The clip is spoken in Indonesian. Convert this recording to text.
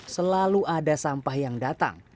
selalu ada sampah yang datang